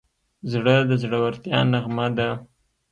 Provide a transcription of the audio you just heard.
زړه د زړورتیا نغمه ده.